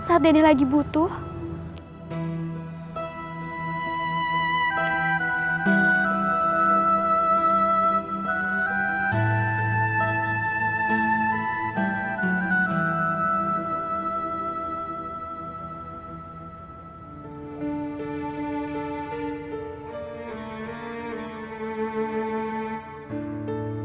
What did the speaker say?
akan baik baik spiritually